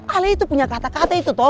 ahli itu punya kata kata itu toh